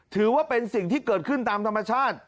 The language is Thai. ถือว่าเป็นสิ่งที่เกิดขึ้นตามธรรมชาติ